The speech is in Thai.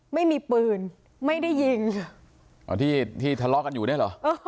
ไม่มีปืนไม่ได้ยิงอ่าที่ทะเลาะกันอยู่ได้เหรอเออ